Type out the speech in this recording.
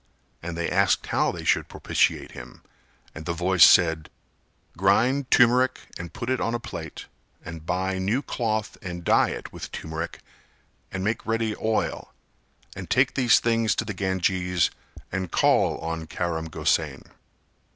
And they asked how they should propitiate him, and the voice said "Grind turmeric and put it on a plate, and buy new cloth and dye it with turmeric and make ready oil and take these things to the Ganges and call on Karam Gosain."